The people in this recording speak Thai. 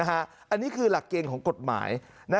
อันนี้คือหลักเกณฑ์ของกฎหมาย